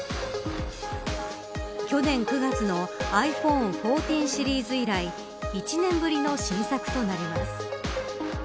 去年９月のｉＰｈｏｎｅ１４シリーズ以来１年ぶりの新作となります。